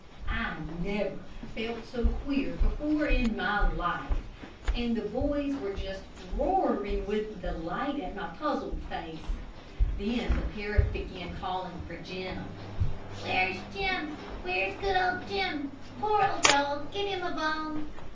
I never felt so queer before in my life, and the boys were just roaring with delight at my puzzled face. Then the parrot began calling for Jim: "Where's Jim, where's good old Jim? Poor old dog. Give him a bone."